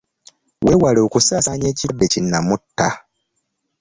Weewale okusaasanya ekirwadde kinnamutta.